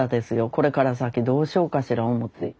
これから先どうしようかしら思うて。